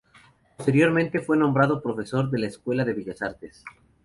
Posteriormente fue nombrado profesor de la Escuela de Bellas Artes.